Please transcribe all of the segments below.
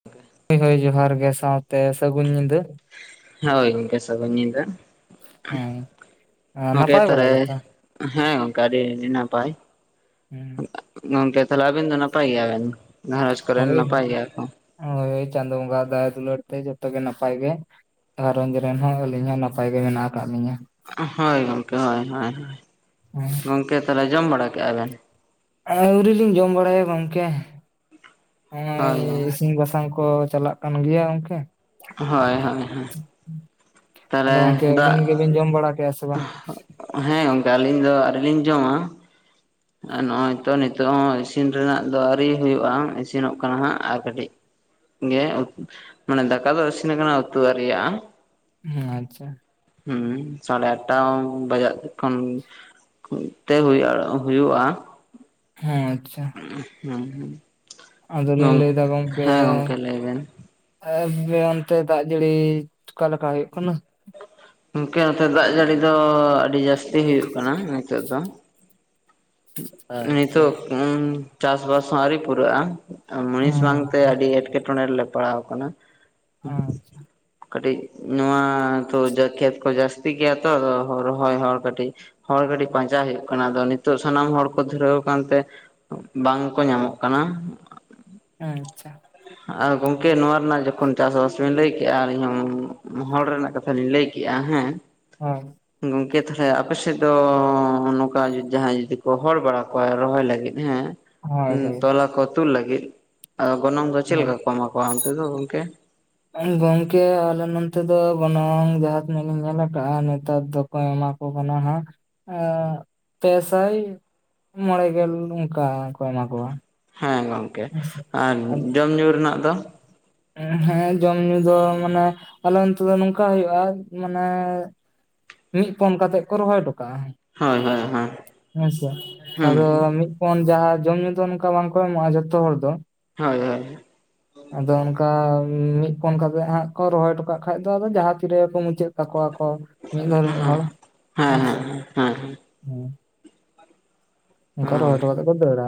[unintelligible] ᱦᱳᱭ ᱦᱳᱭ ᱡᱚᱦᱟᱨ ᱜᱮ ᱥᱟᱶᱛᱮ ᱥᱟᱹᱜᱩᱱ ᱧᱤᱫᱟᱹ ᱦᱳᱭ ᱜᱚᱝᱠᱮ ᱥᱟᱹᱜᱩᱱ ᱧᱤᱫᱟᱹ᱾ ᱦᱮᱸ, ᱜᱚᱝᱠᱮ ᱱᱟᱯᱟᱭ ᱵᱟᱲᱟ ᱛᱟᱨᱮ ᱜᱮᱛᱚ ᱦᱮᱸ ᱜᱚᱝᱠᱮ ᱟᱹᱰᱤ ᱟᱹᱰᱤ ᱱᱟᱯᱟᱭ᱾ ᱦᱮᱸ ᱜᱚᱝᱠᱮ ᱛᱟᱦᱚᱞᱮ ᱟᱵᱮᱱ ᱫᱚ ᱱᱟᱯᱟᱭ ᱜᱮᱭᱟᱵᱮᱱ ᱜᱷᱟᱨᱚᱸᱡᱽ ᱠᱚᱨᱮᱱ ᱱᱟᱯᱟᱭ ᱜᱮᱭᱟ ᱠᱚ? ᱦᱚᱭ ᱦᱚᱭ ᱪᱟᱸᱫᱳ ᱵᱚᱸᱜᱟᱣᱟᱜ ᱫᱟᱭᱟ ᱫᱩᱞᱟᱹᱲ ᱛᱮ ᱡᱚᱛᱚ ᱜᱮ ᱱᱟᱯᱟᱭ ᱜᱮ᱾ ᱜᱷᱟᱨᱚᱸᱡᱽ ᱨᱮᱱ ᱦᱚᱸ ᱟᱹᱞᱤᱧ ᱦᱚᱸ ᱱᱟᱯᱟᱭ ᱜᱮ ᱢᱮᱱᱟᱜ ᱟᱠᱟᱜ ᱞᱤᱧᱟᱹ᱾ ᱦᱳᱭ ᱜᱚᱝᱠᱮ ᱦᱳᱭ ᱦᱳᱭ ᱦᱳᱭ ᱜᱚᱝᱠᱮ ᱛᱟᱦᱚᱞᱮ ᱡᱚᱢ ᱵᱟᱲᱟ ᱠᱮᱜᱼᱟ ᱵᱮᱱ? ᱟᱹᱣᱨᱤᱞᱤᱧ ᱡᱚᱢ ᱵᱟᱲᱟᱭᱟ ᱜᱚᱝᱠᱮ᱾ ᱦᱚᱸᱜᱼᱚᱭ ᱦᱳᱭ ᱤᱥᱤᱱ ᱵᱟᱥᱟᱝ ᱠᱚ ᱪᱟᱞᱟᱜ ᱠᱟᱱ ᱜᱮᱭᱟ ᱜᱚᱝᱠᱮ, ᱦᱳᱭ ᱦᱳᱭ ᱦᱳᱭ᱾ ᱟᱫᱚ ᱛᱟᱦᱚᱞᱮ ᱜᱚᱝᱠᱮ ᱫᱟᱜ ᱟᱹᱵᱤᱱ ᱜᱮᱵᱤᱱ ᱡᱚᱢ ᱵᱟᱲᱟ ᱠᱮᱭᱟ ᱥᱮ ᱵᱟᱝ? ᱦᱮᱸ ᱜᱚᱝᱠᱮ ᱟᱹᱞᱤᱧ ᱫᱚ ᱟᱹᱣᱨᱤ ᱞᱤᱧ ᱡᱚᱢᱟ᱾ [inaudible] ᱟᱨ ᱱᱚᱜᱼᱚᱭ ᱛᱚ ᱱᱤᱛᱚᱜ ᱦᱚᱸ ᱤᱥᱤᱱ ᱨᱮᱱᱟᱜ ᱫᱚ ᱟᱹᱣᱨᱤ ᱦᱩᱭᱩᱜᱼᱟ ᱤᱥᱤᱱᱚᱜ ᱠᱟᱱᱟ ᱦᱟᱸᱜ ᱟᱨ ᱠᱟᱹᱴᱤᱡ ᱜᱮ ᱢᱟᱱᱮ ᱫᱟᱠᱟ ᱫᱚ ᱤᱥᱤᱱ ᱟᱠᱟᱱᱟ ᱩᱛᱩ ᱟᱣᱨᱤᱭᱟᱜ ᱟ᱾ ᱟᱪ ᱪᱷᱟ ᱦᱩᱸ ᱥᱟᱲᱮ ᱟᱴᱴᱟ ᱵᱟᱡᱟ ᱮ, ᱛᱮ ᱦᱩᱭᱩᱜᱼᱟ ᱦᱩᱭᱩᱜᱼᱟ᱾ ᱦᱮᱸ ᱟᱪᱪᱷᱟ᱾ ᱦᱩᱸ ᱦᱩᱸ ᱟᱫᱚᱞᱤᱧ ᱞᱟᱹᱭᱫᱟ ᱦᱮᱸ ᱜᱚᱝᱠᱮ ᱞᱟᱹᱭᱵᱤᱱ᱾ ᱮᱻᱵᱮ ᱚᱱᱛᱮ ᱫᱟᱜ ᱡᱟᱹᱲᱤ ᱠᱟ ᱞᱮᱠᱟ ᱦᱩᱭᱩᱜ ᱠᱟᱱᱟ? ᱜᱳᱢᱠᱮ ᱱᱚᱛᱮ ᱫᱟᱜ ᱡᱟᱹᱲᱤ ᱫᱚ ᱟᱹᱰᱤ ᱡᱟᱹᱥᱛᱤ ᱜᱮ ᱦᱩᱭᱩᱜ ᱠᱟᱱᱟ ᱱᱤᱛᱳᱜ ᱫᱚ᱾ ᱟᱪᱪᱷᱟ ᱱᱤᱛᱚᱜ ᱪᱟᱥᱵᱟᱥ ᱦᱚᱸ ᱟᱹᱣᱨᱤ ᱯᱩᱨᱟᱹᱜᱼᱟ᱾ ᱢᱩᱱᱤᱥ ᱵᱟᱝᱛᱮ ᱟᱪᱪᱷᱟ ᱟᱹᱰᱤ ᱮᱸᱴᱠᱮᱴᱚᱬᱮ ᱨᱮᱞᱮ ᱯᱟᱲᱟᱣ ᱠᱟᱱᱟ᱾ ᱟᱪᱪᱷᱟ ᱠᱟᱹᱴᱤᱡ ᱱᱚᱣᱟ ᱛᱚ ᱠᱷᱮᱛ ᱠᱚ ᱡᱟᱹᱥᱛᱤ ᱜᱮᱭᱟ ᱛᱚ ᱨᱚᱦᱚᱭ ᱦᱚᱲ ᱠᱟᱹᱴᱤᱡ ᱦᱚᱲ ᱠᱟᱹᱴᱤᱡ ᱯᱟᱸᱪᱟ ᱦᱩᱭᱩᱜ ᱠᱟᱱᱟ ᱟᱫᱚ ᱤᱛ ᱱᱤᱛᱚᱜ ᱥᱟᱱᱟᱢ ᱦᱚᱲ ᱠᱚ ᱫᱷᱩᱨᱟᱹᱣ ᱟᱠᱟᱱᱛᱮ ᱵᱟᱝ ᱠᱚ ᱧᱟᱢᱚᱜ ᱠᱟᱱᱟ᱾ ᱟᱪᱪᱷᱟ ᱟᱨ ᱜᱚᱝᱠᱮ ᱱᱚᱣᱟ ᱨᱮᱱᱟᱜ ᱡᱚᱠᱷᱚᱱ ᱪᱟᱥᱵᱟᱥ ᱵᱮᱱ ᱞᱟᱹᱭ ᱠᱮᱜᱼᱟᱧ ᱦᱚᱸ ᱦᱚᱲ ᱨᱮᱱᱟᱜ ᱠᱟᱛᱷᱟ ᱠᱟᱛᱷᱟ ᱞᱤᱧ ᱞᱟᱹᱭ ᱠᱮᱫᱮᱜᱼᱟ ᱦᱮᱸ᱾ ᱦᱚᱸ ᱜᱚᱝᱠᱮ ᱛᱟᱞᱦᱮ ᱟᱯᱮᱥᱮᱫ ᱫᱚ ᱱᱚᱝᱠᱟ ᱡᱟᱦᱟᱸᱭ ᱡᱩᱫᱤ ᱠᱚ ᱦᱚᱲ ᱵᱟᱲᱟ ᱠᱚᱣᱟ ᱨᱚᱦᱚᱭ ᱞᱟᱹᱜᱤᱫ ᱦᱮᱸ, ᱦᱳᱭ ᱦᱮᱸ ᱦᱳᱭ ᱛᱚᱞᱟ ᱠᱚ ᱛᱩᱫ ᱞᱟᱹᱜᱤᱫ ᱟᱫᱚ ᱜᱚᱱᱚᱝ ᱫᱚ ᱪᱮᱫᱠᱟ ᱠᱚ ᱮᱢᱟ ᱠᱚᱣᱟ ᱚᱱᱛᱮ ᱫᱚ ᱜᱚᱝᱠᱮ? ᱜᱚᱝᱠᱮ ᱟᱞᱮ ᱱᱚᱱᱛᱮ ᱫᱚ ᱜᱚᱱᱚᱝ ᱡᱟᱦᱟᱸ ᱛᱤᱱᱟᱹᱜ ᱤᱧ ᱧᱮᱞ ᱟᱠᱟᱜ ᱱᱮᱛᱟᱨ ᱫᱚ ᱠᱚ ᱮᱢᱟ ᱠᱚ ᱠᱟᱱᱟ ᱦᱟᱜ ᱮᱸ ᱯᱮᱥᱟᱭ᱾ ᱢᱚᱬᱮ ᱜᱮᱞ ᱚᱱᱠᱟ ᱠᱚ ᱮᱢᱟ ᱠᱚᱣᱟ᱾ ᱦᱮᱸ ᱜᱚᱝᱠᱮ ᱦᱮᱸᱥᱮ ᱟᱨ ᱟᱫᱚ ᱡᱚᱢ ᱧᱩ ᱨᱮᱱᱟᱜ ᱫᱚ? ᱦᱮᱸ ᱡᱚᱢ ᱧᱩ ᱫᱚ ᱢᱟᱱᱮ ᱟᱞᱮ ᱱᱚᱛᱮ ᱫᱚ ᱱᱚᱝᱠᱟ ᱦᱩᱭᱩᱜᱼᱟ ᱢᱟᱱᱮ ᱢᱤᱫ ᱯᱚᱱ ᱠᱟᱛᱮᱜ ᱠᱚ ᱨᱚᱦᱚᱭ ᱦᱚᱴᱚ ᱠᱟᱜᱼᱟ ᱦᱳᱭ ᱦᱳᱭ ᱦᱳᱭ ᱦᱮᱸᱥ ᱦᱩᱸ ᱟᱫᱚ ᱢᱤᱫ ᱯᱚᱱ ᱡᱟᱦᱟᱸ ᱡᱚᱢ ᱧᱩ ᱫᱚ ᱚᱱᱠᱟ ᱵᱟᱝᱠᱚ ᱮᱢᱚᱜᱼᱟ ᱡᱚᱛᱚ ᱦᱚᱲ ᱫᱚ, ᱦᱚᱭ ᱦᱚᱭ᱾ ᱟᱫᱚ ᱚᱱᱠᱟ ᱚᱱᱠᱟ ᱢᱤᱫ ᱯᱚᱱ ᱠᱟᱛᱮ ᱦᱟᱸᱜ ᱠᱚ ᱨᱚᱦᱚᱭ ᱦᱚᱴᱚ ᱠᱟᱜ ᱠᱷᱟᱱ ᱫᱚ ᱟᱫᱚ ᱡᱟᱦᱟᱸ ᱛᱤᱨᱮ ᱠᱚ ᱢᱩᱪᱟᱹᱫ ᱛᱟᱠᱚᱣᱟ ᱠᱚ ᱢᱤᱫ ᱦᱚᱲ ᱦᱮᱸ ᱢᱤᱫ ᱦᱮᱸ ᱦᱚᱲ ᱦᱮᱸᱥ ᱦᱮᱸ ᱚᱱᱠᱟ ᱨᱚᱦᱚᱭ ᱦᱚᱴᱚ ᱠᱟᱛᱮ ᱠᱚ ᱫᱟᱹᱲᱟ᱾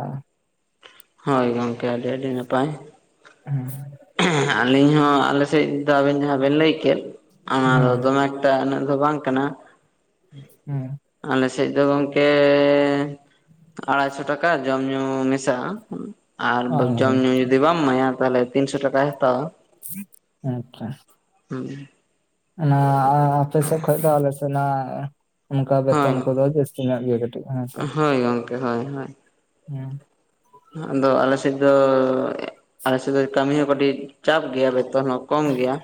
ᱦᱳᱭ ᱜᱚᱝᱠᱮ ᱟᱹᱰᱤ ᱟᱹᱰᱤ ᱱᱟᱯᱟᱭ᱾ ᱦᱮᱸ ᱟᱞᱤᱧ ᱦᱚᱸ ᱟᱞᱮᱥᱮᱫ ᱫᱚ ᱟᱵᱮᱱ ᱡᱟᱦᱟᱸ ᱵᱮᱱ ᱞᱟᱹᱭᱠᱮᱫ ᱚᱱᱟ ᱫᱚ ᱦᱮᱸ ᱫᱚᱢᱮ ᱴᱟᱜ ᱤᱱᱟᱜ ᱫᱚ ᱵᱟᱝ ᱠᱟᱱᱟ᱾ ᱦᱮᱸ ᱟᱞᱮ ᱥᱮᱫ ᱫᱚ ᱜᱚᱝᱠᱮ ᱟᱲᱟᱭᱥᱚ ᱴᱟᱠᱟ ᱡᱚᱢ ᱧᱩ ᱢᱮᱥᱟᱜᱼᱟ᱾ ᱟᱨ ᱡᱚᱢ ᱵᱟᱝ ᱧᱩ ᱡᱩᱫᱤ ᱵᱟᱢ ᱮᱢᱟᱭᱟ ᱛᱟᱦᱚᱞᱮ ᱛᱤᱱᱥᱚ ᱴᱟᱠᱟᱭ ᱦᱟᱛᱟᱣᱟ᱾ ᱟᱪᱪᱷᱟ ᱦᱮᱸ ᱚᱱᱟ ᱟᱯᱮ ᱥᱮᱫ ᱠᱷᱚᱡ ᱫᱚ ᱟᱞᱮᱥᱮ ᱱᱚᱣᱟ ᱚᱱᱠᱟ ᱦᱳᱭ ᱵᱮᱛᱚᱱ ᱠᱚᱫᱚ ᱡᱟᱹᱥᱛᱤ ᱧᱚᱜ ᱜᱮ ᱠᱟᱹᱴᱤᱡ ᱦᱮᱸᱥᱮ ᱦᱳᱭ ᱜᱚᱝᱠᱮ ᱦᱳᱭ ᱦᱳᱭ ᱦᱮᱸ ᱟᱫᱚ ᱟᱞᱮᱥᱮᱫ ᱫᱚ ᱟᱞᱮᱥᱮᱫ ᱫᱚ ᱠᱟᱹᱢᱤ ᱦᱚᱸ ᱠᱟᱹᱴᱤᱡ ᱪᱟᱯ ᱜᱮᱭᱟ ᱵᱮᱛᱚᱱ ᱦᱚᱸ- ᱠᱚᱢ ᱜᱮᱭᱟ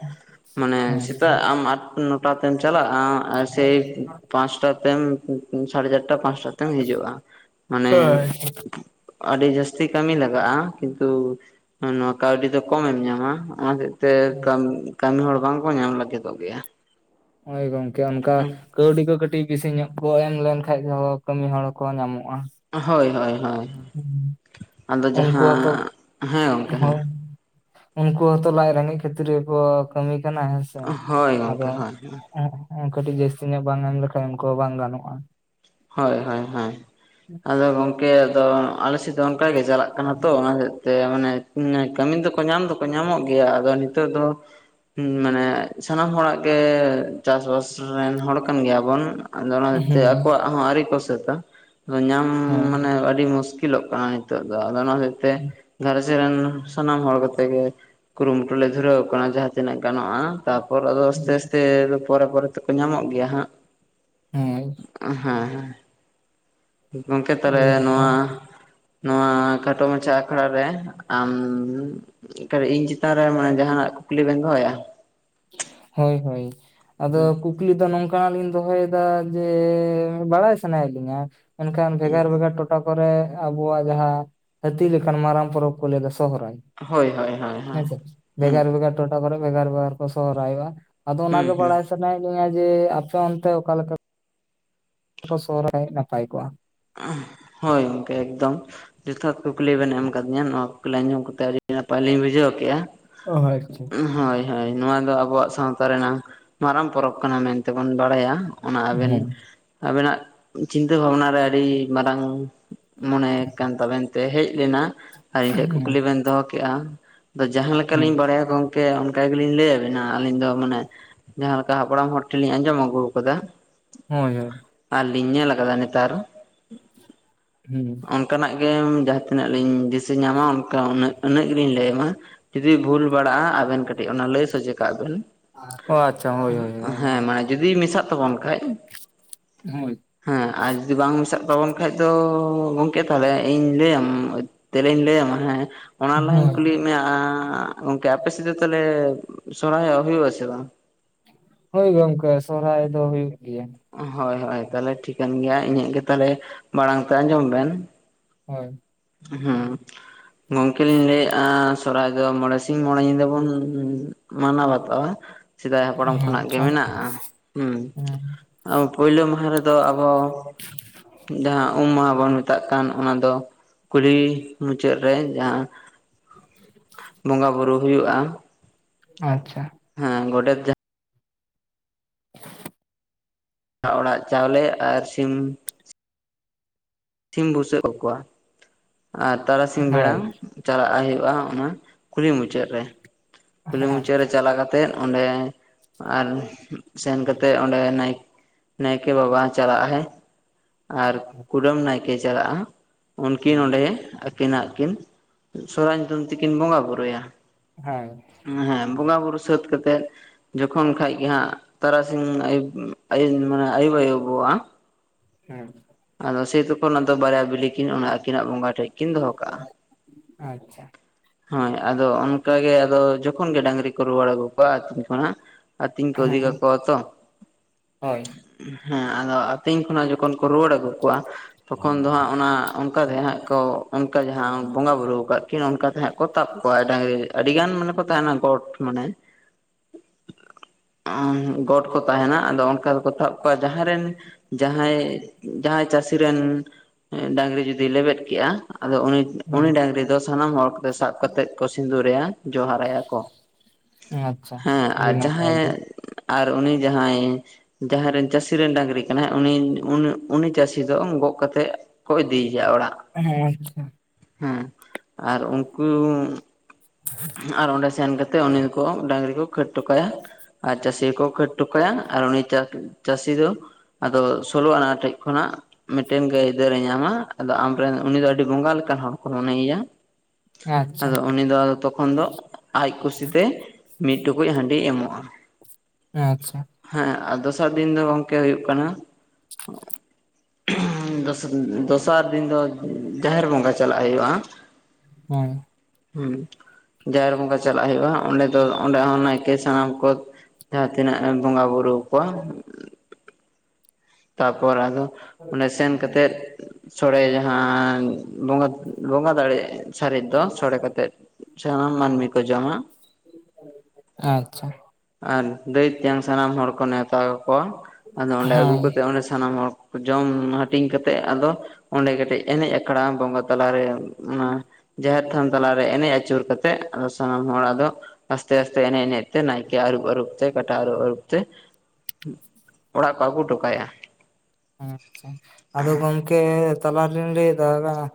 ᱢᱟᱱᱮ ᱦᱮᱸ ᱥᱮᱛᱟᱜ ᱟᱢ ᱟᱴ ᱱᱚᱴᱟ ᱛᱮᱢ ᱪᱟᱞᱟᱜᱼᱟ ᱾ ᱟᱨ ᱥᱮᱭ ᱯᱟᱸᱪᱴᱟ ᱛᱮᱢ ᱥᱟᱲᱮ ᱪᱟᱨ ᱪᱟᱨᱴᱟ ᱯᱟᱸᱪᱴᱟ ᱛᱮᱢ ᱦᱤᱡᱩᱜᱼᱟ ᱢᱟᱱᱮ ᱦᱳᱭ ᱟᱹᱰᱤ ᱡᱟᱹᱥᱛᱤ ᱠᱟᱹᱢᱤ ᱞᱟᱜᱟᱜᱼᱟ ᱾ ᱠᱤᱱᱛᱩ ᱱᱚᱣᱟ ᱠᱟᱹᱣᱰᱤ ᱫᱚ ᱠᱚᱢᱮᱢ ᱧᱟᱢᱟ ᱚᱱᱟ ᱛᱮ ᱠᱟᱹᱢᱤ ᱠᱟᱹᱢᱤ ᱦᱚᱲ ᱵᱟᱝ ᱠᱚ ᱧᱟᱢ ᱞᱟᱹᱜᱤᱫᱚᱜ ᱜᱮᱭᱟ ᱾ ᱦᱳᱹᱭ ᱜᱚᱝᱠᱮ ᱚᱱᱠᱟ ᱾ ᱠᱟᱹᱣᱰᱤ ᱠᱚ ᱠᱟᱹᱴᱤᱡ ᱵᱤᱥᱤ ᱧᱚᱜ ᱠᱚ ᱮᱢ ᱞᱮᱱ ᱠᱷᱟᱡ ᱫᱚ ᱠᱟᱹᱢᱤ ᱦᱚᱲ ᱠᱚ ᱧᱟᱢᱚᱜᱼᱟ ᱾ ᱦᱳᱹᱭ ᱦᱳᱹᱭ ᱦᱳᱹᱭ ᱟᱫᱚ ᱡᱟᱦᱟᱸ ᱾ ᱦᱳᱹᱭ ᱩᱱᱠᱩ ᱦᱚᱸᱛᱚ ᱞᱟᱡ ᱨᱮᱸᱜᱮᱡ ᱠᱷᱟᱹᱛᱤᱨ ᱜᱮ ᱠᱚ, ᱠᱟᱹᱢᱤ ᱠᱟᱱᱟ ᱦᱮᱸᱥᱮ ᱦᱳᱭ ᱟᱫᱚ ᱜᱚᱝᱠᱮ ᱦᱳᱭ ᱾ ᱠᱟᱹᱴᱤᱡ ᱡᱟᱹᱥᱛᱤ ᱧᱚᱜ ᱵᱟᱝ ᱮᱢ ᱞᱮᱠᱷᱟᱡ ᱩᱱᱠᱩ ᱵᱟᱝ ᱜᱟᱱᱚᱜᱼᱟ ᱾ ᱦᱳᱹᱭ ᱦᱳᱹᱭ ᱦᱳᱹᱭ ᱟᱫᱚ ᱜᱚᱢᱠᱮ ᱟᱫᱚ ᱟᱞᱮᱥᱮᱫ ᱫᱚ ᱚᱱᱠᱟ ᱜᱮ ᱪᱟᱞᱟᱜ ᱠᱟᱱᱟ ᱛᱚ ᱚᱱᱟ ᱾ ᱢᱟᱱᱮ ᱠᱟᱹᱢᱤ ᱫᱚ ᱠᱚ ᱧᱟᱢ ᱫᱚ ᱠᱚ ᱧᱟᱢᱚᱜ ᱜᱮᱭᱟ ᱟᱫᱚ ᱱᱤᱛᱚᱜ ᱫᱚ ᱾ ᱢᱟᱱᱮ ᱥᱟᱱᱟᱢ ᱦᱚᱲᱟᱜ ᱜᱮ ᱪᱟᱥ ᱵᱟᱥ ᱨᱮᱱ ᱦᱚᱲ ᱠᱟᱱ ᱜᱮᱭᱟ ᱵᱚᱱ ᱾ ᱟᱫᱚ ᱚᱱᱟᱛᱮ ᱦᱮᱸ ᱟᱠᱚᱣᱟᱜ ᱦᱚᱸ ᱟᱹᱣᱨᱤ ᱠᱚ ᱥᱟᱹᱛᱟ ᱟᱫᱚ ᱧᱟᱢ ᱦᱮᱸ ᱢᱟᱱᱮ ᱟᱹᱰᱤ ᱢᱩᱥᱠᱤᱞ ᱚᱜ ᱠᱟᱱᱟ ᱾ ᱱᱤᱛᱚᱜ ᱫᱚ ᱟᱫᱚ ᱱᱚᱣᱟ ᱦᱚᱛᱮᱡ ᱛᱮ ᱾ ᱜᱷᱟᱨᱚᱸᱡᱽ ᱨᱮᱱ ᱥᱟᱱᱟᱢ ᱦᱚᱲ ᱠᱚᱛᱮ ᱜᱮ ᱠᱩᱨᱩᱢᱩᱴᱩ ᱞᱮ ᱫᱷᱩᱨᱟᱹᱣ ᱟᱠᱟᱱᱟ ᱡᱟᱦᱟᱸ ᱛᱤᱱᱟᱹᱜ ᱜᱟᱱᱚᱜᱼᱟ ᱾ ᱛᱟᱯᱚᱨ ᱟᱫᱚ ᱟᱥᱛᱮ ᱟᱥᱛᱮ ᱯᱚᱨᱮ ᱯᱚᱨᱮ ᱛᱮᱠᱚ ᱧᱟᱢᱚᱜ ᱜᱮᱭᱟ ᱦᱟᱸᱜ ᱾ ᱦᱮᱸ ᱾ ᱦᱮᱸᱦᱮᱸ᱾ ᱜᱚᱝᱠᱮ ᱟᱹᱰᱤ ᱛᱟᱦᱚᱞᱮ ᱱᱟᱯᱟᱭ ᱱᱚᱣᱟ ᱾ ᱱᱚᱣᱟ ᱠᱷᱟᱴᱚ ᱢᱟᱪᱷᱟ ᱟᱠᱷᱲᱟ ᱨᱮ ᱟᱢ ᱠᱟᱴᱤᱡ ᱤᱧ ᱪᱮᱛᱟᱱ ᱨᱮ ᱢᱟᱱᱮ ᱡᱟᱦᱟ ᱱᱟᱜ ᱠᱩᱠᱞᱤ ᱵᱮᱱ ᱫᱚᱦᱚᱭᱟ? ᱦᱳᱹᱭ ᱦᱳᱹᱭ ᱟᱫᱚ ᱠᱩᱠ ᱾ ᱠᱩᱠᱞᱤ ᱫᱚ ᱱᱚᱝᱠᱟᱱ ᱟᱜ ᱞᱤᱧ ᱫᱚᱦᱚᱭ ᱮᱫᱟ ᱡᱮ ᱵᱟᱲᱟᱭ ᱥᱟᱱᱟᱭᱮᱫ ᱞᱤᱧᱟ ᱾ ᱢᱮᱱ ᱠᱷᱟᱱ ᱵᱷᱮᱜᱟᱨ ᱵᱷᱮᱜᱟᱨ ᱴᱚᱴ ᱾ ᱴᱚᱴᱟ ᱠᱚᱨᱮ ᱟᱵᱚᱣᱟᱜ ᱡᱟᱦᱟᱸ ᱦᱟᱹᱛᱤ ᱞᱮᱠᱟᱱ ᱢᱟᱨᱟᱝ ᱯᱚᱨᱚᱵᱽ ᱠᱚ ᱞᱟᱹᱭᱟ ᱥᱚᱦᱨᱟᱭ ᱦᱳᱭ ᱦᱳᱭ ᱦᱳᱭ ᱾ ᱦᱳᱭ ᱟᱪᱪᱷᱟ ᱦᱩᱸ ᱵᱮᱜᱟᱨ ᱵᱮᱜᱟᱨ ᱾ ᱴᱚᱴᱷᱟ ᱠᱚᱨᱮ ᱵᱷᱮᱜᱟᱨ ᱵᱷᱮᱜᱟᱨ ᱠᱚ ᱥᱚᱦᱚᱨᱟᱭᱚᱜᱼᱟ ᱟᱫᱚ ᱚᱱᱟ ᱦᱩᱸ ᱜᱮ ᱦᱩᱸ ᱵᱟᱲᱟᱭ ᱥᱟᱱᱟ ᱾ ᱟᱱᱟᱭ ᱞᱤᱧᱟ ᱡᱮ ᱟᱯᱮ ᱚᱱᱛᱮ ᱚᱠᱟ ᱞᱮᱠᱟ? ᱠᱚ ᱥᱚᱦᱚᱨᱟᱭ ᱱᱟᱯᱟᱭ ᱠᱚᱜᱼᱟ ᱾ ᱦᱳᱹᱭ ᱜᱚᱢᱠᱮ ᱮᱠᱫᱚᱢ ᱾ ᱡᱚᱛᱷᱟᱛ ᱠᱩᱠᱞᱤ ᱵᱮᱱ ᱮᱢ ᱟᱠᱟᱫᱤᱧᱟ ᱱᱚᱣᱟ ᱠᱩᱠᱞᱤ ᱟᱸᱚᱢ ᱠᱟᱛᱮᱫ ᱟᱹᱰᱤ ᱱᱟᱯᱟᱭ ᱞᱤᱧ ᱵᱩᱡᱷᱟᱹᱣ ᱠᱮᱜᱼᱟ ᱾ ᱚ, ᱟᱪᱪᱷᱟ᱾ ᱦᱳᱹᱭ ᱱᱚᱣᱟ ᱫᱚ ᱟᱵᱚᱣᱟᱜ ᱥᱟᱶᱛᱟ ᱨᱮᱱᱟᱝ ᱢᱟᱨᱟᱝ ᱯᱚᱨᱚᱵᱽ ᱠᱟᱱᱟ ᱢᱮᱱᱛᱮ ᱵᱩᱱ ᱵᱟᱲᱟᱭᱟ ᱾ ᱚᱱᱟ ᱟᱵᱮᱱ ᱦᱮᱸ ᱟᱵᱮᱱᱟᱜ ᱪᱤᱱᱛᱟᱹ ᱵᱷᱟᱵᱽᱱᱟ ᱨᱮ ᱟᱹᱰᱤ ᱢᱟᱨᱟᱝ ᱾ ᱢᱚᱱᱮ ᱠᱟᱱ ᱛᱟᱵᱮᱱ ᱛᱮ ᱦᱮᱡ ᱞᱮᱱᱟ ᱟᱨ ᱤᱧ ᱴᱷᱮᱱ ᱦᱮᱸ ᱠᱩᱠᱞᱤ ᱵᱮᱱ ᱫᱚᱦᱚ ᱠᱮᱜᱼᱟ ᱾ ᱟᱫᱚ ᱡᱟᱦᱟᱸ ᱞᱮᱠᱟ ᱦᱮᱸ ᱞᱤᱧ ᱵᱟᱲᱟᱭᱟ ᱜᱚᱝᱠᱮ ᱚᱱᱠᱟ ᱜᱮ ᱞᱤᱧ ᱞᱟᱹᱭᱟᱵᱤᱱᱟ ᱟᱹᱞᱤᱧ ᱫᱚ ᱢᱟᱱᱮ ᱡᱟᱦᱟᱸ ᱾ ᱠᱟ ᱦᱟᱯᱲᱟᱢ ᱦᱚᱲ ᱴᱷᱮᱱ ᱞᱤᱧ ᱟᱸᱡᱚᱢ ᱟᱹᱜᱩᱣ ᱠᱟᱫᱟ ᱾ ᱦᱳᱹᱭ ᱦᱳᱹᱭ ᱾ ᱟᱨ ᱞᱤᱧ ᱧᱮᱞ ᱠᱟᱫᱟ ᱱᱮᱛᱟᱨ ᱾ ᱦᱮᱸ᱾ ᱚᱱᱠᱟᱱᱟᱜ ᱜᱮ ᱡᱟᱦᱟᱸ ᱛᱤᱱᱟᱹᱜ ᱞᱤᱧ ᱫᱤᱥᱟᱹ ᱧᱟᱢᱟ ᱚᱱᱠᱟ ᱩᱱᱟᱹᱜ ᱜᱮᱞᱤᱧ ᱞᱟᱹᱭ ᱟᱢᱟ ᱾ ᱡᱩᱫᱤ ᱵᱷᱩᱞ ᱵᱟᱲᱟᱜᱼᱟ ᱟᱹᱵᱮᱱ ᱠᱟᱹᱴᱤᱡ ᱚᱱᱟ ᱞᱟᱹᱭ ᱥᱚᱡᱮ ᱠᱟᱜ ᱵᱮᱱ ᱚ ᱟᱪᱪᱷᱟ ᱦᱳᱭ ᱦᱳᱭ ᱦᱳᱭ ᱚᱱᱟ ᱦᱮᱸ ᱢᱟᱱᱮ ᱾ ᱡᱩᱫᱤ ᱢᱮᱥᱟᱜ ᱛᱟᱵᱚᱱ ᱠᱷᱟᱡ ᱾ ᱦᱳᱹᱭ ᱾ ᱦᱮᱸ, ᱟᱨ ᱡᱩᱫᱤ ᱵᱟᱝ ᱢᱮᱥᱟᱜ ᱛᱟᱵᱚᱱ ᱠᱷᱟᱡ ᱫᱚ ᱜᱚᱢᱠᱮ ᱛᱟᱦᱞᱮ, ᱤᱧ ᱞᱟᱹᱭᱟᱢ ᱛᱮᱞᱮᱧ ᱞᱟᱹᱭᱟᱢᱟ ᱦᱮᱸ ᱾ ᱚᱱᱟ ᱞᱟᱦᱟᱧ ᱦᱳᱭ ᱠᱩᱞᱤᱭᱮᱫ ᱢᱮᱭᱟ, ᱜᱚᱝᱠᱮ ᱟᱯᱮᱥᱮᱫ ᱛᱟᱦᱚᱞᱮ ᱥᱚᱨᱦᱟᱭ ᱦᱩᱭᱩᱜ ᱟᱥᱮ ᱵᱟᱝ? ᱦᱳᱹᱭ ᱜᱚᱢᱠᱮ, ᱥᱚᱦᱚᱨᱟᱭ ᱫᱚ ᱦᱩᱭᱩᱜ ᱜᱮᱭᱟ ᱾ ᱦᱳᱭ ᱦᱳᱭ ᱛᱟᱦᱚᱞᱮ ᱴᱷᱤᱠᱟᱹᱱ ᱜᱮᱭᱟ, ᱤᱧᱟᱹᱜ ᱜᱮ ᱛᱟᱦᱚᱞᱮ ᱢᱟᱲᱟᱝ ᱛᱮ ᱟᱸᱡᱚᱢ ᱵᱮᱱ ᱾ ᱦᱳᱭ ᱾ ᱦᱩᱸ, ᱜᱚᱝᱠᱮ ᱞᱤᱧ ᱞᱟᱹᱭᱮᱫᱼᱟ ᱾ ᱥᱚᱨᱦᱟᱭ ᱫᱚ ᱢᱚᱬᱮ ᱥᱤ ᱢᱚᱬᱮ ᱧᱤᱫᱟᱹ ᱵᱚᱱ ᱢᱟᱱᱟ ᱵᱟᱛᱟᱣᱟ ᱾ ᱥᱮᱫᱟᱭ ᱦᱟᱯᱲᱟᱢ ᱦᱮᱸ ᱠᱷᱚᱱᱟᱜ ᱜᱮ ᱟᱪᱪᱷᱟ ᱢᱮᱱᱟᱜᱼᱟ᱾ ᱦᱮᱸ ᱦᱩᱸ᱾ ᱯᱳᱭᱞᱳ ᱢᱟᱦᱟ ᱨᱮᱫᱚ, ᱟᱵᱚ ᱡᱟᱦᱟᱸ ᱩᱢ ᱢᱟᱦᱟ ᱵᱚᱱ ᱢᱮᱛᱟᱜ ᱠᱟᱱ ᱚᱱᱟ ᱫᱚ᱾ ᱠᱩᱞᱦᱤ ᱢᱩᱪᱟᱹᱫ ᱨᱮ ᱡᱟᱦᱟᱸ, ᱵᱚᱸᱜᱟ ᱵᱩᱨᱩ ᱦᱩᱭᱩᱜᱼᱟ᱾ ᱟᱪᱪᱷᱟ᱾ ᱦᱮᱸ ᱜᱚᱰᱮᱫ [inaudible] ᱚᱲᱟᱜ ᱪᱟᱣᱞᱮ ᱟᱨ ᱥᱤᱢ᱾ ᱥᱤᱢ ᱵᱩᱥᱟᱹᱜ ᱟᱠᱚᱣᱟ ᱟᱨ ᱛᱟᱨᱟᱥᱤᱢ ᱵᱮᱲᱟ ᱦᱳᱭ ᱪᱟᱞᱟᱜ ᱦᱩᱭᱩᱜᱼᱟ ᱚᱱᱟ, ᱠᱩᱞᱦᱤ ᱢᱩᱪᱟᱹᱫ ᱨᱮ᱾ ᱠᱩᱞᱦᱤ ᱢᱩᱪᱟᱹᱫ ᱨᱮ ᱟᱪᱪᱷᱟ ᱪᱟᱞᱟ ᱠᱟᱛᱮᱫ, ᱚᱸᱰᱮ ᱟᱨ ᱥᱮᱱ ᱠᱟᱛᱮᱜ ᱚᱸᱰᱮ ᱱᱟᱭ, ᱱᱟᱭᱠᱮ ᱵᱟᱵᱟ ᱪᱟᱞᱟᱜᱼᱟᱭ᱾ ᱟᱨ ᱠᱩᱰᱟᱹᱢ ᱱᱟᱭᱠᱮ ᱪᱟᱞᱟᱜᱼᱟ, ᱩᱱᱠᱤᱱ ᱦᱮᱸ ᱚᱸᱰᱮ ᱩᱱᱠᱤᱱᱟᱜ ᱠᱤᱱ ᱥᱚᱦᱚᱨᱟᱭ ᱧᱩᱛᱩᱢ ᱛᱮᱠᱤᱱ ᱵᱚᱸᱜᱟ ᱵᱩᱨᱩᱳᱭᱟ᱾ ᱦᱮᱸ᱾ ᱦᱮᱸ, ᱵᱚᱸᱜᱟ ᱵᱩᱨᱩ ᱥᱟᱹᱛ ᱠᱟᱛᱮᱜ ᱡᱚᱠᱷᱚᱱ ᱠᱷᱟᱡ ᱜᱮ ᱦᱟᱸᱜ ᱛᱟᱨᱟᱥᱤᱧ, ᱟᱭᱩᱵ ᱟᱭᱩᱵ ᱢᱟᱱᱮ ᱟᱭᱩᱵ ᱟᱹᱭᱩᱵᱚᱜᱼᱟ ᱦᱮᱸ᱾ ᱟᱫᱚ ᱥᱮ ᱛᱚᱠᱷᱚᱱ ᱟᱫᱚ ᱵᱟᱨᱮᱭᱟ ᱵᱤᱞᱤ ᱠᱤᱱ, ᱚᱱᱟ ᱟᱹᱠᱤᱱᱟᱜ ᱵᱚᱸᱜᱟ ᱴᱷᱮᱜ ᱠᱤᱱ ᱫᱚᱦᱚ ᱠᱟᱜᱼᱟ᱾ ᱟᱪᱪᱷᱟ᱾ ᱦᱳᱭ ᱟᱫᱚ ᱚᱱᱠᱟ ᱜᱮ ᱟᱫᱚ ᱡᱚᱠᱷᱚᱱ ᱜᱮ ᱰᱟᱹᱝᱨᱤ ᱠᱚ ᱨᱩᱣᱟᱹᱲ ᱟᱹᱜᱩ ᱠᱚᱣᱟ, ᱟᱛᱤᱧ ᱠᱷᱚᱱᱟᱜ ᱟᱛᱤᱧ ᱠᱚ ᱤᱫᱤ ᱦᱮᱸ ᱠᱟᱠᱚᱣᱟ ᱛᱚ ᱦᱳᱭ ᱾ ᱦᱮᱸ ᱟᱫᱚ ᱟᱹᱛᱤᱧ ᱠᱷᱚᱱᱟᱜ ᱡᱚᱠᱷᱚᱱ ᱠᱚ ᱨᱩᱭᱟᱹᱲ ᱟᱹᱜᱩ ᱠᱚᱣᱟ, ᱛᱚᱠᱷᱚᱱ ᱫᱚ ᱦᱟᱸᱜ ᱚᱱᱟ ᱚᱱᱠᱟ ᱜᱮ ᱦᱟᱸᱜ ᱛᱚ ᱚᱱᱠᱟ ᱡᱟᱦᱟᱸ ᱵᱚᱸᱜᱟ ᱵᱩᱨᱩ ᱟᱠᱟᱫ ᱠᱤᱱ, ᱚᱱᱠᱟ ᱛᱮ ᱦᱟᱸᱜ ᱠᱚ ᱛᱟᱵᱽ ᱠᱚᱣᱟ ᱰᱟᱝᱨᱤ᱾ ᱟᱹᱰᱤ ᱜᱟᱱ ᱢᱟᱱᱮ ᱠᱚ ᱛᱟᱦᱮᱱᱟ, ᱜᱚᱴ ᱢᱟᱱᱮ ᱚ ᱜᱚᱸᱴ ᱠᱚ ᱛᱟᱸᱦᱮᱱᱟ, ᱟᱫᱚ ᱚᱱᱠᱟ ᱫᱚᱠᱚ ᱛᱟᱵ ᱡᱟᱦᱟᱸᱭ ᱨᱮᱱ ᱡᱟᱦᱟᱸᱭ ᱡᱟᱦᱟᱸᱭ ᱪᱟᱹᱥᱤ ᱨᱮᱱ ᱰᱟᱝᱨᱤ ᱡᱩᱫᱤ ᱞᱮᱵᱮᱫ ᱠᱮᱜᱼᱟ᱾ ᱟᱫᱚ ᱩᱱᱤ, ᱩᱱᱤ ᱦᱮᱸ ᱰᱟᱝᱨᱤ ᱫᱚ ᱥᱟᱱᱟᱢ ᱦᱚᱲ ᱠᱚ ᱥᱟᱵ ᱠᱟᱛᱮᱫ ᱠᱚ ᱥᱤᱸᱫᱩᱨᱮᱭᱟ᱾ ᱡᱚᱸᱦᱟᱨᱟᱭᱟ ᱠᱚ᱾ ᱟᱪᱪᱷᱟ ᱦᱮᱸ ᱟᱹᱰᱤ ᱟᱨ ᱱᱟᱯᱟᱭ ᱜᱮ ᱡᱟᱦᱟᱸᱭ ᱟᱨ ᱩᱱᱤ ᱡᱟᱦᱟᱸᱭ ᱡᱟᱦᱟᱸᱭ ᱨᱮᱱ ᱪᱟᱹᱥᱤ ᱨᱮᱱ ᱰᱟᱝᱨᱤ ᱠᱟᱱᱟᱭ, ᱩᱱᱤ ᱩᱱᱤ ᱩᱱᱤ ᱪᱟᱹᱥᱤ ᱫᱚ ᱜᱚᱜ ᱠᱟᱛᱮᱜ ᱠᱚ ᱤᱫᱤ ᱮᱭᱟ ᱚᱲᱟᱜ᱾ ᱦᱮᱸ, ᱟᱪᱪᱷᱟ᱾ ᱦᱮᱸ ᱟᱨ ᱩᱱᱠᱩ ᱦᱮᱸ ᱟᱨ ᱚᱸᱰᱮ ᱥᱮᱱ ᱠᱟᱛᱮᱫ, ᱩᱱᱤ ᱫᱚᱠᱚ ᱰᱟᱹᱝᱨᱤ ᱠᱚ ᱠᱷᱟᱹᱲ ᱦᱚᱴᱚ ᱠᱟᱭᱟ᱾ ᱟᱨ ᱪᱟᱹᱥᱤ ᱦᱚᱸᱠᱚ ᱠᱷᱟᱹᱲ ᱦᱚᱴᱚ ᱠᱟᱭᱟ, ᱟᱨ ᱩᱱᱤ ᱪᱟ ᱪᱟᱹᱥᱤ ᱫᱚ ᱟᱫᱚ ᱥᱳᱞᱳ ᱚᱱᱟ ᱴᱷᱮᱡ ᱠᱷᱚᱱᱟᱜᱼᱼ ᱢᱮᱫᱴᱮᱱ [unintelligible] ᱧᱟᱢᱟ ᱟᱫᱚ ᱟᱢᱨᱮᱱ ᱩᱱᱤ ᱫᱚ ᱟᱹᱰᱤ ᱵᱚᱸᱜᱟ ᱞᱮᱠᱟᱱ ᱦᱚᱲ ᱠᱚ ᱢᱚᱱᱮᱭᱟ᱾ ᱟᱪᱪᱷᱟ ᱟᱫᱚ ᱩᱱᱤ ᱟᱫᱚ ᱛᱚᱠᱷᱚᱱ ᱫᱚ ᱟᱡ ᱠᱩᱥᱤ ᱛᱮ ᱢᱤᱫ ᱴᱩᱠᱩᱡ ᱦᱟᱺᱰᱤ ᱮᱢᱚᱜᱼᱟ᱾ ᱦᱮᱸ ᱟᱪᱪᱷᱟ ᱦᱮᱸ ᱟᱨ ᱫᱚᱥᱟᱨ ᱫᱤᱱ ᱫᱚ ᱜᱚᱝᱠᱮ ᱦᱩᱭᱩᱜ ᱠᱟᱱᱟ [inaudible] [unintelligible] ᱫᱚᱥᱟᱨ ᱫᱤᱱ ᱫᱚ ᱡᱟᱦᱮᱨ ᱵᱚᱸᱜᱟ ᱪᱟᱞᱟᱜ ᱦᱩᱭᱩᱜᱼᱟ᱾ ᱦᱮᱸ ᱦᱩᱸ ᱡᱟᱦᱮᱨ ᱵᱚᱸᱜᱟ ᱪᱟᱞᱟᱜ ᱦᱩᱭᱩᱜᱼᱟ᱾ᱚᱸᱰᱮ ᱫᱚ ᱚᱸᱰᱮ ᱦᱚᱸ ᱱᱟᱭᱠᱮ [unintelligible] ᱥᱟᱱᱟᱢ ᱠᱚ ᱡᱟᱦᱟᱸ ᱛᱤᱱᱟᱹᱜ ᱮᱢ ᱵᱚᱸᱜᱟ ᱵᱩᱨᱩ ᱟᱠᱚᱣᱟ ᱛᱟᱨᱯᱚᱨ ᱟᱫᱚ, ᱚᱱᱰᱮ ᱥᱮᱱ ᱠᱟᱛᱮᱫ ᱥᱚᱲᱮ ᱡᱟᱦᱟᱸ ᱵᱚᱸᱜᱟ, ᱵᱚᱸᱜᱟ ᱫᱟᱲᱮᱜ ᱥᱟᱹᱨᱤᱡ ᱫᱚ ᱥᱚᱲᱮ ᱠᱟᱛᱮᱜ ᱥᱟᱱᱟᱢ ᱢᱟᱹᱱᱢᱤ ᱠᱚ ᱡᱚᱢᱟ ᱟᱪᱪᱷᱟ᱾ ᱟᱨ ᱫᱟᱹᱭ ᱛᱮᱧᱟᱝ ᱥᱟᱱᱟᱢ ᱦᱚᱲ ᱠᱚ ᱱᱮᱣᱛᱟ ᱠᱟᱠᱚᱣᱟ ᱟᱫᱚ ᱚᱸᱰᱮ ᱟᱹᱜᱩ ᱦᱳᱭ ᱠᱟᱛᱮᱼᱼ ᱚᱸᱰᱮ ᱥᱟᱱᱟᱢ ᱦᱚᱲ ᱡᱚᱢ ᱦᱟᱹᱴᱤᱧ ᱠᱟᱛᱮᱜ ᱟᱫᱚᱼᱼ ᱚᱸᱰᱮ ᱠᱟᱹᱴᱤᱡ ᱮᱱᱮᱡ ᱟᱠᱷᱲᱟ ᱵᱚᱸᱜᱟ ᱛᱟᱞᱟ ᱨᱮ ᱚᱱᱟᱼᱼ ᱡᱟᱦᱮᱨ ᱛᱷᱟᱱ ᱛᱟᱞᱟ ᱨᱮ ᱮᱱᱮᱡ ᱟᱹᱪᱩᱨ ᱠᱟᱛᱮᱫ ᱟᱫᱚ ᱥᱟᱱᱟᱢ ᱦᱚᱲ ᱟᱫᱚᱼᱼ ᱟᱥᱛᱮ ᱟᱥᱛᱮ ᱮᱱᱮᱡ ᱛᱮ ᱮᱱᱮᱡ ᱛᱮ ᱱᱟᱭᱠᱮ ᱟᱨᱩᱵ ᱟᱨᱩᱵ ᱛᱮ ᱠᱟᱴᱟ ᱟᱨᱩᱵ ᱟᱨᱩᱵ ᱛᱮᱼᱼ ᱚᱲᱟᱜ ᱠᱚ ᱟᱹᱜᱩ ᱦᱚᱴᱚ ᱠᱟᱭᱟ᱾ ᱦᱮᱸ ᱟᱪᱪᱷᱟ ᱟᱫᱚ ᱜᱚᱢᱠᱮ ᱛᱟᱞᱟ ᱨᱤᱱ ᱞᱟᱭᱫᱟ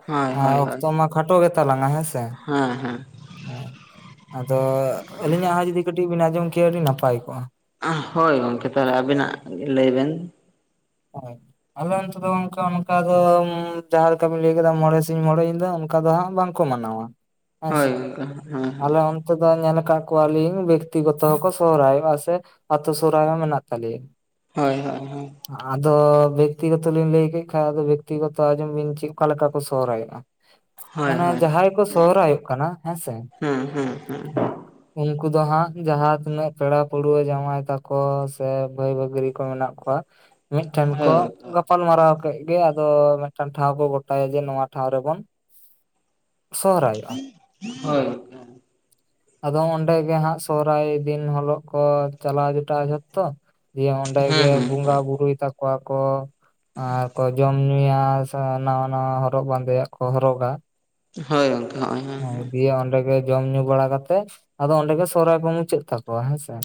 ᱦᱳᱭ ᱦᱳᱭ ᱦᱳᱭ [unintelligible] ᱠᱷᱟᱴᱚ ᱜᱮ ᱛᱟᱞᱟᱝᱼᱟ [unintelligible] ᱦᱮᱸ ᱦᱮᱸ᱾ [unintelligible] ᱟᱫᱚ ᱟᱹᱞᱤᱧᱟᱜ ᱦᱚᱸ ᱡᱩᱫᱤ ᱠᱟᱹᱴᱤᱡ ᱵᱮᱱ ᱟᱸᱡᱚᱢ ᱠᱮᱭᱟ ᱟᱹᱰᱤ ᱱᱟᱯᱟᱭ ᱠᱚᱜᱼᱟ᱾ ᱦᱳᱭ ᱜᱚᱝᱠᱮ ᱛᱟᱦᱚᱞᱮ ᱟᱵᱤᱱᱟᱜ ᱞᱟᱹᱭ ᱵᱮᱱ᱾ ᱦᱳᱭ᱾ ᱟᱞᱮ ᱚᱱᱛᱮ ᱫᱚ ᱚᱱᱠᱟ ᱚᱱᱠᱟ ᱫᱚ ᱡᱟᱦᱟᱸ ᱞᱮᱠᱟ ᱵ ᱞᱟᱹᱭ ᱠᱮᱫᱟ ᱢᱚᱬᱮ ᱥᱤᱧ ᱢᱚᱬᱮ ᱧᱤᱫᱟᱹ ᱚᱱᱠᱟ ᱫᱚ ᱦᱟᱸᱜ ᱵᱟᱝ᱾ ᱠᱚ ᱢᱟᱱᱟᱣᱟ᱾ ᱦᱮᱸᱥᱮ ᱦᱳᱭ ᱦᱳᱭ᱾ ᱟᱞᱮ ᱚᱱᱛᱮ ᱫᱚ ᱧᱮᱞ ᱟᱠᱟᱫ ᱠᱚᱣᱟ ᱞᱤᱧ ᱵᱮᱠᱛᱤ ᱜᱚᱛᱚ ᱦᱚᱸᱠᱚ ᱥᱚᱦᱨᱟᱭᱚᱜᱼᱟ ᱥᱮᱼᱼ ᱟᱹᱛᱩ ᱥᱚᱦᱨᱟᱭ ᱦᱚ ᱢᱮᱱᱟᱜ ᱛᱟᱞᱮᱭᱟ᱾ ᱦᱳᱭ ᱦᱳᱭ ᱦᱳᱭ᱾ ᱟᱫᱚ ᱵᱮᱠᱛᱤᱜᱚᱛᱚ ᱞᱤᱧ ᱞᱟᱹᱭ ᱠᱮᱫ ᱠᱷᱟᱱ ᱟᱫᱚ ᱵᱮᱠᱛᱤᱜᱚᱛᱚ ᱟᱸᱡᱚᱢ ᱵᱤᱱ ᱪᱮᱫ ᱚᱠᱟ ᱞᱮᱠᱟ ᱠᱚ ᱥᱚᱦᱨᱟᱭᱚᱜᱼᱼ ᱦᱳᱭ ᱦᱳᱭ ᱢᱟᱱᱮ ᱦᱳᱭ ᱡᱟᱦᱟᱸᱭ ᱠᱚ ᱥᱚᱦᱨᱟᱭᱚᱜ ᱠᱟᱱᱟ ᱦᱮᱸᱥᱮ᱾ ᱦᱮᱸ ᱦᱮᱸ ᱦᱮᱸ᱾ [inaudible] ᱩᱱᱠᱩ ᱫᱚ ᱦᱟᱸᱜ ᱡᱟᱦᱟᱸ ᱛᱤᱱᱟᱹᱜ ᱯᱮᱲᱟ ᱯᱟᱹᱲᱣᱟᱹ ᱡᱟᱶᱟᱭ ᱛᱟᱠᱚ ᱥᱮ ᱵᱟᱹᱭ ᱵᱟᱹᱜᱨᱤ ᱠᱚ ᱢᱮᱱᱟᱜ ᱠᱚᱣᱟᱼᱼ ᱠᱚᱣᱟ ᱢᱤᱫᱴᱮᱱ ᱠᱚ᱾ ᱦᱳᱭ ᱜᱟᱯᱟᱞ ᱢᱟᱨᱟᱣ ᱠᱮᱫ ᱜᱮ ᱟᱫᱚ ᱢᱤᱫᱴᱟᱝ ᱴᱷᱟᱶ ᱠᱚ ᱜᱚᱴᱟᱭᱟ ᱡᱮ ᱱᱚᱣᱟ ᱴᱷᱟᱶ ᱨᱮᱵᱚᱱᱼᱼ [unintelligible] ᱦᱳᱭ᱾ ᱟᱫᱚ ᱚᱸᱰᱮ ᱜᱮ ᱦᱟᱸᱜ ᱥᱚᱦᱨᱟᱭ ᱫᱤᱱ ᱦᱤᱞᱚᱜ ᱠᱚ ᱪᱟᱞᱟᱣ ᱡᱚᱴᱟᱜ ᱟ ᱡᱷᱚᱛᱚ ᱾ ᱫᱤᱭᱮ ᱚᱸᱰᱮ ᱦᱩᱸ ᱜᱮ ᱦᱩᱸ ᱵᱚᱸᱜᱟ ᱵᱩᱨᱩᱭ ᱛᱟᱠᱚᱣᱟ ᱠᱚ ᱟᱨ ᱠᱚ ᱡᱚᱢ ᱧᱩᱭᱟ᱾ ᱱᱟᱣᱟ ᱱᱟᱣᱟ ᱦᱚᱨᱚᱜ ᱵᱟᱸᱫᱮᱭᱟᱜ ᱠᱚ ᱦᱚᱨᱚᱜᱟ᱾ ᱦᱳᱭ ᱜᱚᱝᱠᱮ ᱦᱚᱸᱜᱼᱚᱭ᱾ ᱦᱮᱸ ᱦᱮᱸ ᱫᱤᱭᱮ ᱚᱸᱰᱮ ᱜᱮ ᱡᱚᱢ ᱧᱩ ᱵᱟᱲᱟ ᱠᱟᱛᱮᱜ ᱟᱫᱚ ᱚᱸᱰᱮ ᱜᱮ ᱥᱚᱦᱚᱨᱟᱭ ᱠᱚ ᱢᱩᱪᱟᱹᱫ ᱛᱟᱠᱚᱣᱟ ᱦᱮᱸᱥᱮ᱾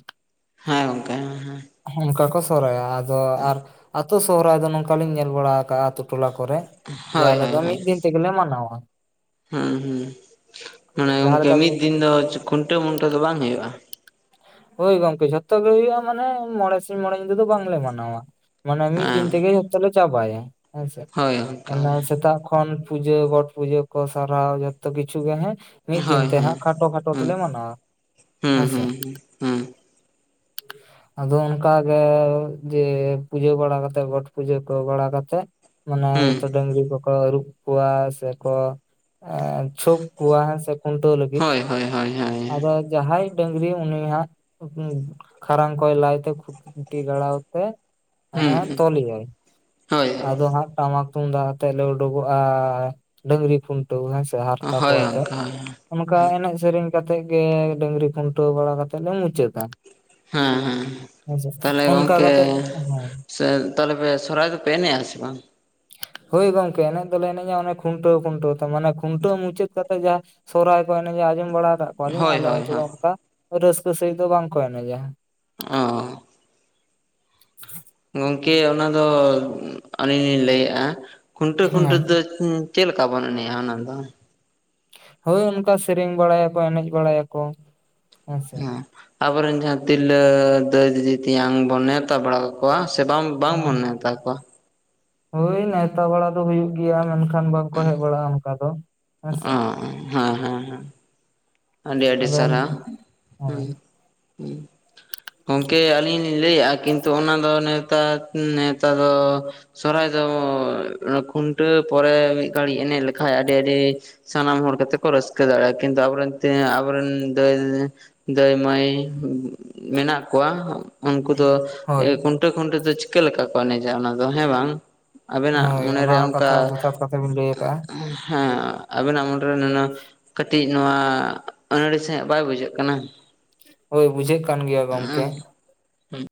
ᱦᱮᱸ ᱜᱚᱝᱠᱮ ᱦᱮᱸ, ᱦᱮᱸ᱾ ᱚᱱᱠᱟ ᱠᱚ ᱥᱚᱦᱨᱟᱭᱟ, ᱟᱫᱚ ᱟᱨ ᱟᱹᱛᱩ ᱥᱚᱦᱨᱟᱭ ᱫᱚ ᱱᱚᱝᱠᱟᱞᱤᱧ ᱧᱮᱞ ᱵᱟᱲᱟ ᱟᱠᱟᱜᱼᱟ ᱴᱚᱞᱟ ᱠᱚᱨᱮ᱾ ᱡᱮ ᱦᱳᱭ ᱦᱳᱭ ᱟᱞᱮᱫᱚ ᱢᱤᱫ ᱦᱳᱭ ᱫᱤᱱ ᱛᱮᱜᱮᱞᱮ ᱢᱟᱱᱟᱣᱟ᱾ ᱦᱩᱸ ᱦᱩᱸ ᱢᱟᱱᱮ ᱡᱟᱦᱟᱸ ᱜᱚᱝᱠᱮ ᱞᱮᱠᱟ ᱵᱤᱱ ᱢᱤᱫ ᱫᱤᱱ ᱫᱚ ᱠᱷᱩᱱᱴᱟᱹᱣ ᱢᱩᱱᱴᱟᱹᱣ ᱫᱚ ᱵᱟᱝ ᱦᱩᱭᱩᱜᱼᱟ? ᱦᱳᱭ ᱜᱚᱝᱠᱮ ᱡᱷᱚᱛᱚ ᱜᱮ ᱦᱩᱭᱩᱜᱼᱟ ᱢᱟᱱᱮ ᱢᱸᱚᱬᱮ ᱥᱤᱧ ᱢᱸᱚᱬᱮ ᱧᱤᱫᱟᱹ ᱫᱚ ᱵᱟᱝᱞᱮ ᱢᱟᱱᱟᱣᱟ᱾ ᱢᱟᱱᱮ ᱢᱤᱫ ᱫᱤᱱ ᱦᱮᱸ ᱛᱮᱜᱮ ᱡᱷᱚᱛᱚ ᱞᱮ ᱪᱟᱵᱟᱭᱟ ᱦᱮᱸᱥᱮ, ᱦᱳᱭ ᱜᱚᱝᱠᱮ ᱢᱟᱱᱮ ᱦᱳᱭ ᱥᱮᱛᱟᱜ ᱠᱷᱚ ᱠᱷᱚᱱ ᱯᱩᱡᱟᱹ ᱜᱚᱴ ᱯᱩᱡᱟᱹ ᱠᱚ ᱥᱟᱨᱦᱟᱣ ᱡᱚᱛᱚ ᱠᱤᱪᱷᱩ ᱜᱮ ᱦᱮᱸ ᱢᱤᱫ ᱫᱤᱱ ᱦᱳᱭ ᱛᱮ ᱦᱳᱭ ᱦᱟᱸᱜ ᱠᱷᱟᱴᱚ ᱠᱷᱟᱴᱚ ᱦᱩᱸ ᱛᱮᱞᱮ ᱢᱟᱱᱟᱣᱟ ᱦᱮᱸᱥᱮ᱾ ᱦᱩ, [inaudible] ᱟᱫᱚ ᱚᱱᱠᱟ ᱜᱮ ᱡᱮ ᱯᱩᱡᱟᱹ ᱵᱟᱲᱟ ᱠᱟᱛᱮᱜ ᱜᱚᱴ ᱯᱩᱡᱟᱹ ᱠᱚ ᱵᱟᱲᱟ ᱠᱟᱛᱮᱜ ᱢᱟᱱᱮ ᱦᱩᱸ ᱡᱚᱛᱚ ᱰᱟᱝᱨᱤ ᱠᱚ ᱠᱚ ᱟᱹᱨᱩᱵ ᱠᱚᱣᱟ ᱥᱮ ᱠᱚ ᱮ ᱪᱷᱳᱯ ᱠᱚᱣᱟ ᱦᱮᱸ ᱥᱮ ᱠᱷᱩᱱᱴᱟᱹᱣ ᱞᱟᱹ ᱦᱳᱭ, ᱦᱳᱭ, ᱦᱳᱭ, ᱡᱟᱦᱟᱸᱭ ᱰᱟᱝᱨᱤ ᱩᱱᱤᱭ ᱦᱟᱸᱟ ᱠᱷᱟᱨᱟᱝ ᱠᱚᱭ ᱞᱟᱭ ᱛᱮ ᱠᱷᱩᱴᱤ ᱜᱟᱲᱟᱣ ᱛᱮ ᱦᱟᱸᱜ ᱦᱩᱸ ᱮ ᱦᱩᱸ ᱛᱚᱞᱮᱟᱭ ᱦᱳᱭ ᱟᱫᱚ ᱦᱟᱸᱜ ᱴᱟᱢᱟᱠ ᱛᱩᱢᱫᱟᱜ ᱟᱛᱮᱜ ᱞᱮ ᱩᱰᱩᱠᱚᱜᱼᱟ᱾ ᱰᱟᱹᱝᱨᱤ ᱠᱷᱩᱱᱴᱟᱹᱣ ᱦᱮᱸ ᱥᱮ ᱦᱟᱨᱛᱟ ᱦᱳᱭ ᱠᱚᱣᱟᱛᱮ, ᱜᱚᱝᱠᱮ ᱦᱳᱭ ᱚᱱᱠᱟ ᱮᱱᱮᱡ ᱥᱮᱨᱮᱧ ᱠᱟᱛᱮᱫ ᱜᱮ, ᱰᱟᱹᱝᱨᱤ ᱠᱷᱩᱱᱴᱟᱹᱣ ᱵᱟᱲᱟ ᱠᱟᱛᱮᱫ ᱞᱮ ᱢᱩᱪᱟᱹᱫᱟ᱾ ᱦᱮᱸ, ᱦᱮᱸ, ᱦᱮᱸᱥᱮ ᱛᱟᱦᱚᱞᱮ ᱚᱱᱠᱟ ᱜᱚᱝᱠᱮ ᱠᱟᱛᱮᱜ ᱦᱮᱸ ᱥᱮ ᱛᱟᱦᱚᱞᱮ ᱯᱮ ᱥᱚᱨᱦᱟᱭ ᱫᱚᱯᱮ ᱮᱱᱮᱡᱼᱟ ᱥᱮ ᱵᱟᱝ? ᱦᱳᱭ ᱜᱚᱝᱠᱮ, ᱮᱱᱮᱡ ᱫᱚᱞᱮ ᱮᱱᱮᱡᱼᱟ ᱚᱱᱮ ᱠᱷᱩᱱᱴᱟᱹᱣ ᱠᱷᱩᱱᱴᱟᱹᱣ ᱛᱮ, ᱢᱟᱱᱮ ᱠᱷᱩᱱᱴᱟᱹᱣ ᱢᱩᱪᱟᱹᱫ ᱠᱟᱛᱮ ᱡᱟᱦᱟᱸ ᱥᱚᱦᱨᱟᱭ ᱠᱚ ᱮᱱᱮᱡᱼᱟ ᱟᱸᱡᱚᱢ ᱵᱟᱲᱟ ᱟᱠᱟᱫ ᱠᱚᱣᱟᱞᱤᱧ, ᱦᱳᱭ ᱟᱞᱮ ᱦᱳᱭ ᱚᱱᱛᱮ ᱫᱚ ᱦᱳᱭ ᱚᱱᱠᱟ ᱨᱟᱹᱥᱠᱟᱹ ᱥᱟᱺᱦᱤᱡ ᱫᱚ ᱵᱟᱝᱠᱚ ᱮᱱᱮᱡᱟ᱾ ᱚ, [inaudible] ᱜᱚᱝᱠᱮ ᱚᱱᱟ ᱫᱚ ᱟᱹᱞᱤᱧ ᱞᱤᱧ ᱞᱟᱹᱭᱮᱫᱼᱟ ᱠᱷᱩᱱᱴᱟᱹᱣ ᱠᱷᱩᱱᱴᱟᱹᱣ ᱦᱮᱸ ᱛᱮ ᱪᱮᱫ ᱞᱮᱠᱟ ᱵᱚᱱ ᱮᱱᱮᱡ-ᱟ ᱚᱱᱟᱫᱚ? ᱦᱳᱭ ᱚᱱᱠᱟ ᱥᱮᱨᱮᱧ ᱵᱟᱲᱟᱭᱟᱠᱚ ᱮᱱᱮᱡ ᱵᱟᱲᱟᱭᱟᱠᱚ᱾ ᱦᱮᱸᱥᱮ ᱦᱮᱸ ᱟᱵᱳᱨᱮᱱ ᱡᱟᱦᱟᱸᱭ ᱛᱤᱞᱞᱟᱹ ᱫᱟᱹᱭ ᱫᱤᱫᱤ ᱛᱮᱭᱟᱝ ᱵᱚᱱ ᱱᱮᱣᱛᱟ ᱵᱟᱲᱟ ᱠᱟ ᱠᱳᱣᱭᱟ, ᱥᱮ ᱵᱟᱝ ᱵᱟᱝ ᱦᱮᱸ ᱵᱚᱱ ᱱᱮᱣᱛᱟ ᱠᱚᱣᱟ᱾ ᱦᱳᱭ ᱱᱮᱣᱛᱟ ᱵᱟᱲᱟ ᱦᱩᱭᱩᱜ ᱜᱮᱭᱟ, ᱢᱮᱱᱠᱷᱟᱱ ᱵᱟᱝᱠᱚ ᱦᱮᱡ ᱵᱟᱲᱟᱜᱼᱟ ᱚᱱᱠᱟ ᱫᱚ ᱦᱮᱸ ᱚ ᱥᱮ᱾ ᱦᱮᱸ, ᱦᱮᱸ, ᱦᱮᱸ ᱟᱹᱰᱤ ᱟᱹᱰᱤ ᱟᱫᱚ ᱥᱟᱨᱦᱟᱣ᱾ ᱦᱳᱭ ᱦᱩᱸ, [inaudible] ᱜᱚᱝᱠᱮ ᱟᱹᱞᱤᱧ ᱞᱤᱧ ᱞᱟᱹᱭ ᱮᱫᱼᱟ ᱠᱤᱱᱛᱩ ᱚᱱᱟ ᱫᱚ ᱱᱮᱛᱟ ᱱᱮᱶᱛᱟ ᱫᱚ ᱥᱚᱨᱦᱟᱭ ᱫᱚ ᱠᱷᱩᱱᱴᱟᱹᱣ ᱯᱚᱨᱮ ᱢᱤᱫ ᱜᱷᱟᱹᱲᱤᱡ ᱮᱱᱮᱡ ᱞᱮᱠᱷᱟᱡ ᱟᱹᱰᱤ ᱟᱹᱰᱤ ᱥᱟᱱᱟᱢ ᱦᱚᱲ ᱠᱟᱛᱮ ᱠᱚ ᱨᱟᱹᱥᱠᱟᱹ ᱫᱟᱲᱮᱭᱟᱜᱼᱟ᱾ ᱠᱤᱱᱛᱩ ᱟᱵᱚᱨᱮᱱ ᱛᱮ ᱟᱵᱚᱨᱮᱱ ᱫᱟᱹᱭᱼᱫᱟᱹᱭ ᱢᱟᱹᱭ ᱢᱮᱱᱟᱜ ᱠᱚᱣᱟ᱾ ᱩᱱᱠᱩ ᱫᱚ ᱦᱳᱭ ᱠᱷᱩᱱᱴᱟᱹᱣ ᱠᱷᱩᱱᱴᱟᱹ ᱛᱮ ᱪᱤᱠᱟᱹ ᱞᱮᱠᱟ ᱠᱚ ᱮᱱᱮᱡᱟ ᱚᱱᱟ ᱫᱚ ᱦᱮᱸ ᱵᱟᱝ? ᱟᱵᱤᱱᱟᱜ ᱦᱳᱭ ᱚᱱᱟ ᱢᱚᱱᱮᱨᱮ ᱦᱚᱸ ᱠᱟᱛᱷᱟ ᱚᱱᱠᱟ, ᱡᱚᱛᱷᱟᱛ ᱠᱟᱛᱷᱟ ᱵᱤᱱ ᱞᱟᱹᱭ ᱟᱠᱟᱜᱼᱟ ᱦᱮᱸ, ᱟᱵᱤᱱᱟᱜ ᱢᱩᱚᱱᱨᱮ ᱱᱩᱱᱟᱹᱜ ᱠᱟᱹᱴᱤᱡ ᱱᱚᱣᱟ ᱟᱹᱱᱟᱹᱲᱤ ᱥᱟᱺᱦᱤᱡ ᱵᱟᱭ ᱵᱩᱡᱷᱟᱹᱜ ᱠᱟᱱᱟ? ᱦᱳᱭ ᱵᱩᱡᱷᱟᱹᱜ ᱠᱟᱱ ᱜᱮᱭᱟ ᱜᱚᱝᱠᱮ᱾